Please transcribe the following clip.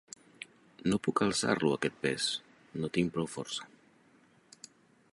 No puc alçar-lo, aquest pes: no tinc prou força.